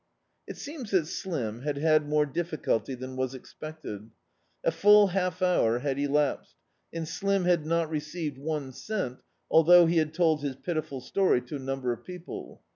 It seems that Slim had had more difficulty than was expected. A full half hour had elapsed, and Slim had not received one cent, although he had told his pitiful story to a number of people.